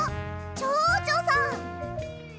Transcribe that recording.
ちょうちょさん！